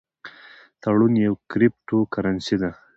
ټرون یوه کریپټو کرنسي ده